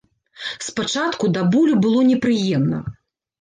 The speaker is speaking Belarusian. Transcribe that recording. Спачатку да болю было непрыемна.